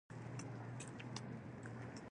مسکین مه تحقیر کړه، الله ته عزیز وي.